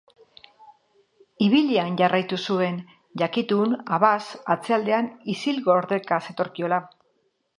Ibilian jarraitu zuen, jakitun Abas atzealdean isil-gordeka zetorkiola.